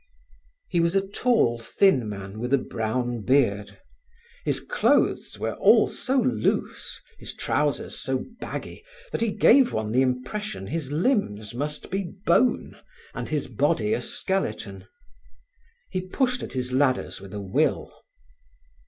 He was a tall thin man with a brown beard. His clothes were all so loose, his trousers so baggy, that he gave one the impression his limbs must be bone, and his body a skeleton. He pushed at his ladders with a will.